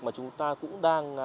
mà chúng ta cũng đang